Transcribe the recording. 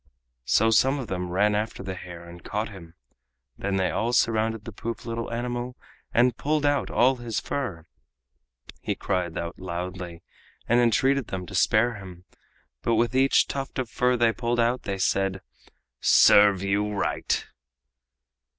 So some of them ran after the hare and caught him. Then they all surrounded the poor little animal and pulled out all his fur. He cried out loudly and entreated them to spare him, but with each tuft of fur they pulled out they said: "Serve you right!"